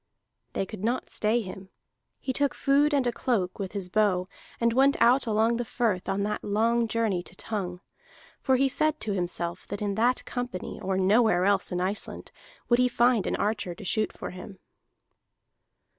They could not stay him; he took food and a cloak, with his bow, and went out along the firth on that long journey to Tongue. For he said to himself that in that company or nowhere else in Iceland would he find an archer to shoot for him.